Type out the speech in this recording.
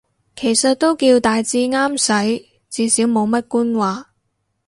其實都叫大致啱使，至少冇乜官話